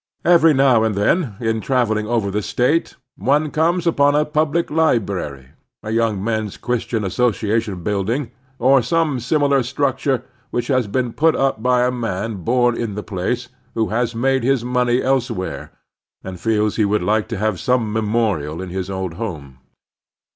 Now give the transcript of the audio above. Every now and then, in traveling over the State, one comes upon a public library, a Yotmg Men's Qiristian Association building, or some similar structure which has been put up by a man bom in the place, who has made his money elsewhere, and feels he would like to have some memorial in his old home.